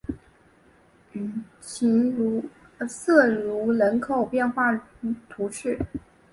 瑟卢人口变化图示